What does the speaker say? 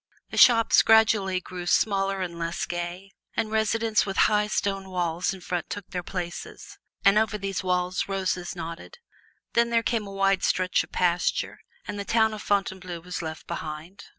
The shops gradually grew smaller and less gay, and residences with high stone walls in front took their places, and over these walls roses nodded. Then there came a wide stretch of pasture, and the town of Fontainebleau was left behind.